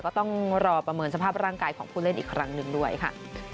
ก็ต้องรอประเมินสภาพร่างกายของผู้เล่นอีกครั้งหนึ่งด้วยค่ะ